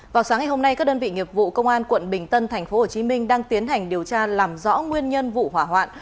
vào sáng ngày hôm nay các đơn vị nghiệp vụ công an quận bình tân tp hcm đang tiến hành điều tra làm rõ nguyên nhân vụ hỏa hoạn